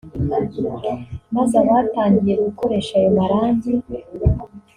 maze abatangiye gukoresha ayo marangi